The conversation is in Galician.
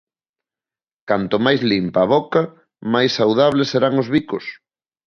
Canto máis limpa a boca, máis saudables serán os bicos.